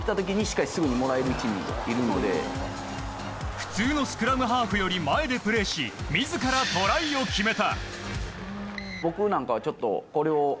普通のスクラムハーフより前でプレーし自らトライを決めた。